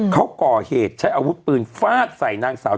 เขาก่อเหตุใช้อาวุธปืนฟาดใส่นางสาว